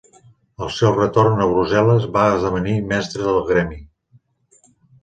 Al seu retorn a Brussel·les va esdevenir mestre del Gremi.